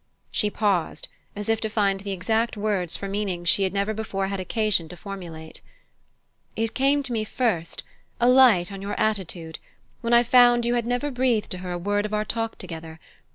She paused, as if to find the exact words for meanings she had never before had occasion to formulate. "It came to me first a light on your attitude when I found you had never breathed to her a word of our talk together.